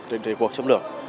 địa quốc xâm lược